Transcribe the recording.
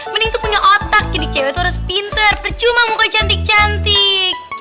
mending tuh punya otak jadi cewek itu harus pinter percuma muka cantik cantik